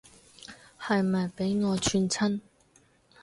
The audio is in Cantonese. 係咪畀我串親